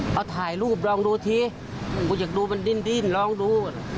เขาถ่ายรูปลองดูทีกูอยากดูมันดิ้นลองดู